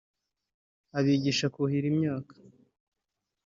abigisha kuhira imyaka